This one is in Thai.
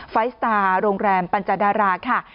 ไฟล์สตาร์โรงแรมปัญจดาราค่ะ